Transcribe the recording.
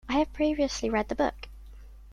I have previously read the book.